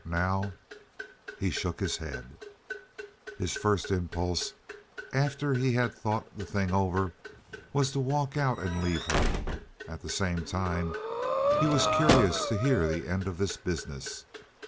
Now—he shook his head. His first impulse, after he had thought the thing over, was to walk out and leave her. At the same time he was curious to hear the end of this business.